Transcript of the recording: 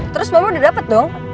terus bapak udah dapet dong